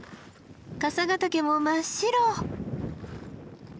笠ヶ岳も真っ白！